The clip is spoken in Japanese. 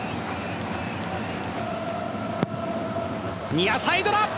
ニアサイドだ。